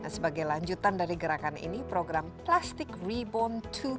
sebagai lanjutan dari gerakan ini program plastic reborn dua